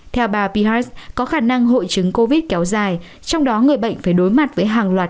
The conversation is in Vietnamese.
theo bà pihas có khả năng hội chứng covid kéo dài trong đó người bệnh phải đối mặt với hàng loạt